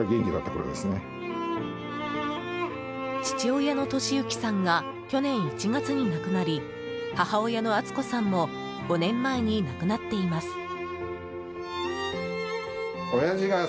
父親の敏行さんが去年１月に亡くなり母親の淳子さんも５年前に亡くなっています。